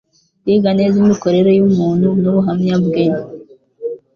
kwiga neza imikorere y'umuntu n'ubuhamya bwe